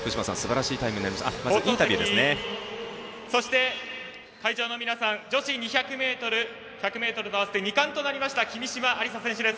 放送席、そして会場の皆さん女子２００ｍ、１００ｍと合わせ２冠となりました君嶋愛梨沙選手です。